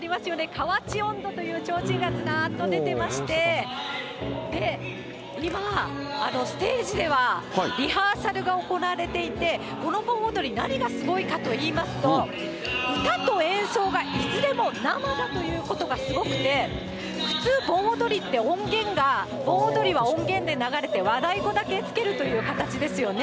河内音頭というちょうちんがずらーっと出てまして、今、ステージではリハーサルが行われていて、この盆踊り、何がすごいかといいますと、歌と演奏がいずれも生だということがすごくて、普通、盆踊りって、音源が盆踊りは音源で流れて和太鼓だけ付けるという形ですよね。